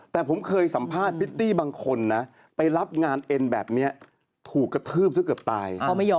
แต่ผมเคยสัมภาษณ์พริตตี้บางคนนะไปรับงานเอ็นแบบนี้ถูกกระทืบซะเกือบตาย